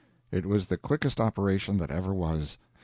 It was the quickest operation that ever was.